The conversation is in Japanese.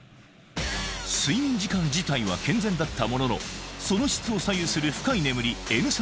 睡眠時間自体は健全だったもののその質を左右する深い眠りＮ３